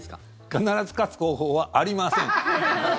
必ず勝つ方法はありません！